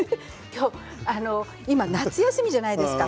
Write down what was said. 今、夏休みじゃないですか。